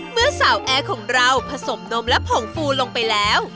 เมื่อสาวแอร์ของเราผสมนมและผงฟูลงไปแล้ว